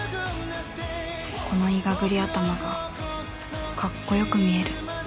このいがぐり頭がかっこよく見える